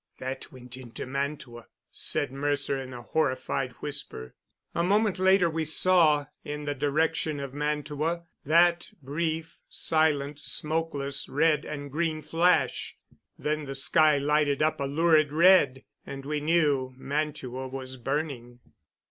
"That went into Mantua," said Mercer in a horrified whisper. A moment later we saw, in the direction of Mantua, that brief, silent, smokeless red and green flash. Then the sky lighted up a lurid red, and we knew Mantua was burning.